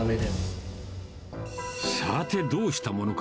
さて、どうしたものか。